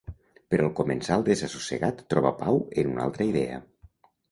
Però el comensal desassossegat troba pau en una altra idea.